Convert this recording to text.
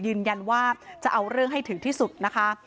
ยืนยันว่าจะเอาเรื่องให้ถึงที่สุดนะคะ